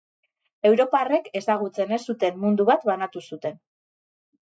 Europarrek ezagutzen ez zuten mundu bat banatu zuten.